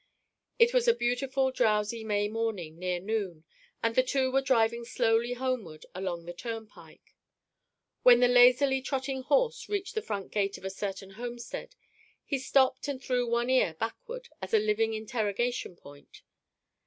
It was a beautiful drowsy May morning near noon, and the two were driving slowly homeward along the turnpike. When the lazily trotting horse reached the front gate of a certain homestead, he stopped and threw one ear backward as a living interrogation point.